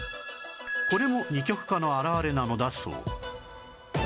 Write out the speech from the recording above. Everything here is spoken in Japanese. これも二極化の表れなのだそう